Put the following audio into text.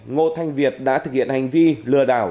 ngô thanh việt đã thực hiện hành vi lừa đảo